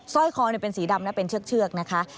ร้อยคอเป็นสีดำนะเป็นเชือกนะคะ